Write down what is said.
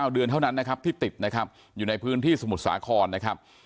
เดือนเท่านั้นนะครับที่ติดนะครับอยู่ในพื้นที่สมุทรสาครนะครับ